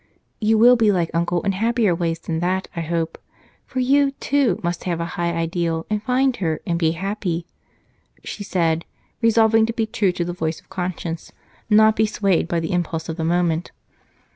"You will be like Uncle in happier ways than that, I hope, for you, too, must have a high ideal and find her and be happy," she said, resolving to be true to the voice of conscience, not be swayed by the impulse of the moment.